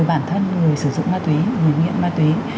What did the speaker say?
bản thân người sử dụng ma túy người nghiện ma túy